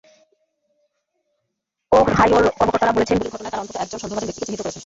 ওহাইওর কর্মকর্তারা বলছেন, গুলির ঘটনায় তাঁরা অন্তত একজন সন্দেহভাজন ব্যক্তিকে চিহ্নিত করেছেন।